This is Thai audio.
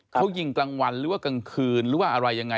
เขายิงกลางวันหรือว่ากลางคืนหรือว่าอะไรยังไง